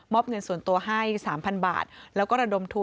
มอบเงินส่วนตัวให้๓๐๐๐บาท